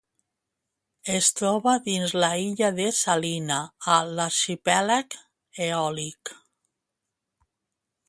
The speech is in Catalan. Es troba dins l'illa de Salina, a l'arxipèlag Eòlic.